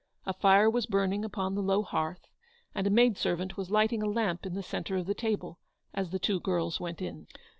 A fire was burning upon the low hearth, and a maid servant was lighting a lamp in the centre of the table as the two girls went in.